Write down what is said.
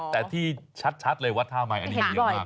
แต่ที่ชัดเลยวัดท่าใหม่อันนี้มีเยอะมาก